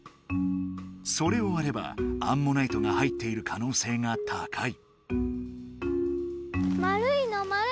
それをわればアンモナイトが入っている可能性が高い。